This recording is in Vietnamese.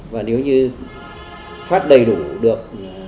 và nếu như phát đầy đủ được năm